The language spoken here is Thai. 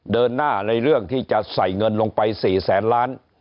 เดินหน้าในเรื่องที่จะใส่เงินลงไป๔แสนล้าน